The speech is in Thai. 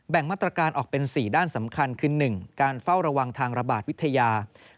งมาตรการออกเป็น๔ด้านสำคัญคือ๑การเฝ้าระวังทางระบาดวิทยา